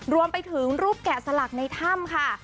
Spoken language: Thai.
รวมไปถึงรูปแกะสลักในถ้ำค่ะ